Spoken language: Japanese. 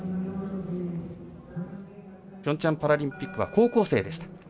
ピョンチャンパラリンピックは高校生でした。